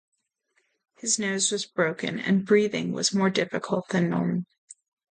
His nose was broken, and breathing was more difficult than normal.